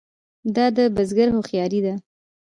دا د بزګر هوښیاري ده.